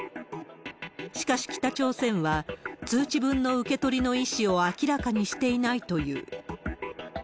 しかし、北朝鮮は通知文の受け取りの意思を明らかにしていないという。